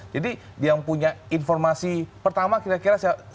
jadi dia punya informasi pertama kira kira